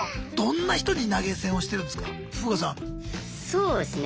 そうですね